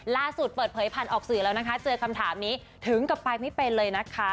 ล่าสุดเปิดเผยผ่านออกสื่อแล้วนะคะเจอคำถามนี้ถึงกับไปไม่เป็นเลยนะคะ